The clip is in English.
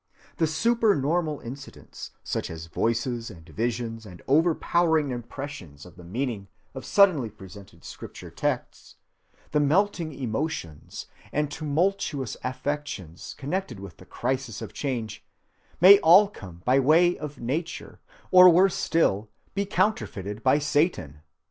The super‐normal incidents, such as voices and visions and overpowering impressions of the meaning of suddenly presented scripture texts, the melting emotions and tumultuous affections connected with the crisis of change, may all come by way of nature, or worse still, be counterfeited by Satan.